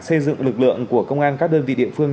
xây dựng lực lượng của công an các đơn vị địa phương